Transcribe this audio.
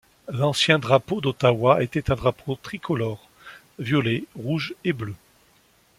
L'ancien drapeau d'Ottawa était un drapeau tricolore violet, rouge et bleu.